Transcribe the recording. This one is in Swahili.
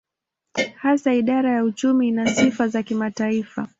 Hasa idara ya uchumi ina sifa za kimataifa.